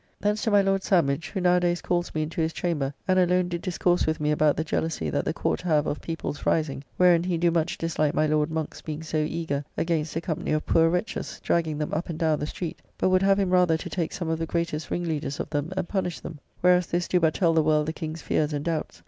Thence to my Lord Sandwich, who now a days calls me into his chamber, and alone did discourse with me about the jealousy that the Court have of people's rising; wherein he do much dislike my Lord Monk's being so eager against a company of poor wretches, dragging them up and down the street; but would have him rather to take some of the greatest ringleaders of them, and punish them; whereas this do but tell the world the King's fears and doubts.